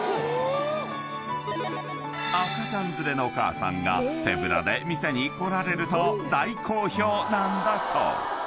［赤ちゃん連れのお母さんが手ぶらで店に来られると大好評なんだそう］